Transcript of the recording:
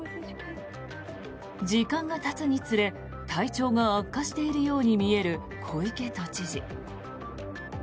時間がたつにつれ体調が悪化しているように見える小池都知事。